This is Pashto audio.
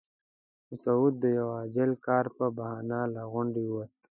مسعود د یوه عاجل کار په بهانه له غونډې ووت.